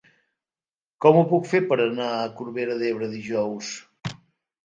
Com ho puc fer per anar a Corbera d'Ebre dijous?